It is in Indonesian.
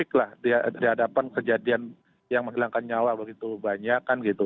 itu kan juga menjadi tidak apik lah di hadapan kejadian yang menghilangkan nyawa begitu banyak kan gitu